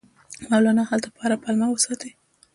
مولنا هلته په هره پلمه وساتي.